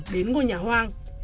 đến ngôi nhà hoang